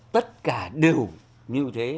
tất cả đều như thế